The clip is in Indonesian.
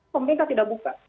pemerintah tidak buka